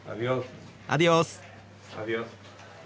アディオス！